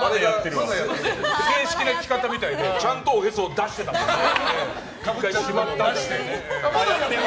正式な着方みみたいでちゃんとおへそを出してたもんね。